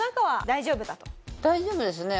大丈夫ですね。